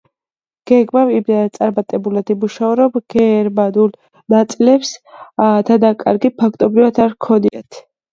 გეგმამ იმდენად წარმატებულად იმუშავა, რომ გერმანულ ნაწილებს დანაკარგები ფაქტობრივად არ ჰქონიათ.